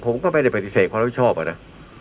ผมก็ไม่ได้ปฏิเสธความรับผิดชอบอะนะ